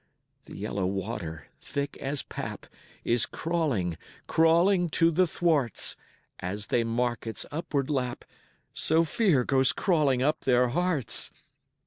The yellow water, thick as pap, Is crawling, crawling to the thwarts, And as they mark its upward lap, So fear goes crawling up their hearts.